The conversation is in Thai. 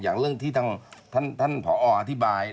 อย่างเรื่องที่ทางท่านผออธิบาย